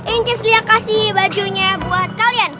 incis dia kasih bajunya buat kalian